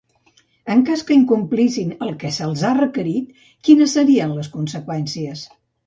En cas que incomplissin el que se'ls ha requerit, quines serien les conseqüències?